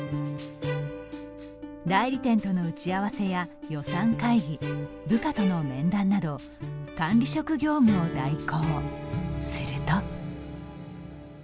代理店との打ち合わせや予算会議部下との面談など管理職業務を代行。